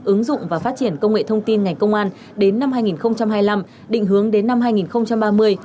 ứng dụng và phát triển công nghệ thông tin ngành công an đến năm hai nghìn hai mươi năm định hướng đến năm hai nghìn ba mươi